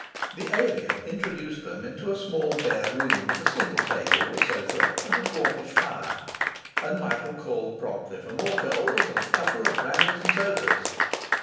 The alien introduced them into a small bare room with a single table, a sofa, and a dwarfish fire; and Michael called promptly for more coals and a couple of brandies and sodas.